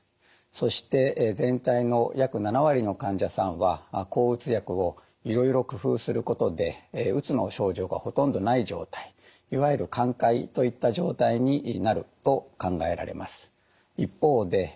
そして全体の約７割の患者さんは抗うつ薬をいろいろ工夫することでうつの症状がほとんどない状態いわゆる寛解といった状態になると考えられます。